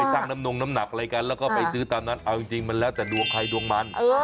สร้างน้ำนงน้ำหนักอะไรกันแล้วก็ไปซื้อตามนั้นเอาจริงมันแล้วแต่ดวงใครดวงมัน